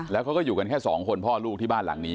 แล้วเขาก็อยู่กันแค่สองคนพ่อลูกที่บ้านหลังนี้